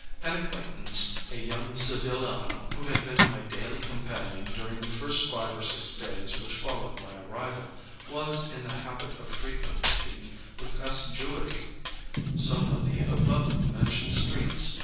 An acquaintance, a young Sevillano, who had been my daily companion during the first five or six days which followed my arrival, was in the habit of frequenting with assiduity, some of the above mentioned streets.